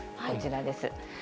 こちらです。